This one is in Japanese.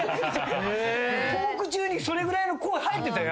トーク中にそれぐらいの声入ってたよ